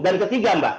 dan ketiga mbak